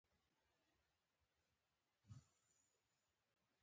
او دغه راز د قطري امنیتي ځواکونو یو کس وژل شوی و